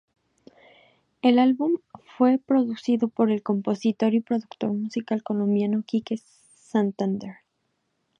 El álbum fue producido por el compositor y productor musical colombiano Kike Santander.